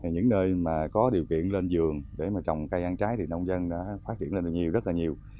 những nơi mà có điều kiện lên vườn để mà trồng cây ăn trái thì nông dân đã phát hiện lên nhiều rất là nhiều